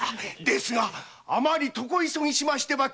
ですがあまり床急ぎしては。